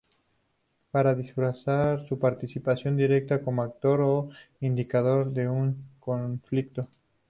Para disfrazar su participación directa como actor o iniciador de un conflicto.